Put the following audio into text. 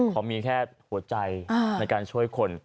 เขามีแค่หัวใจในการช่วยคน